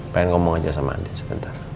pengen ngomong aja sama adik sebentar